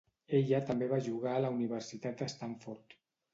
Ella també va jugar a la Universitat de Stanford.